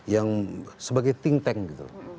yang sebagai think tank gitu